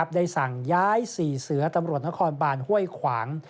ได้สั่งย้าย๔เสือตำรวจนครบานห้วยขวาง